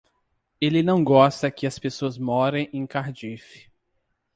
Ele não gosta que as pessoas morem em Cardiff.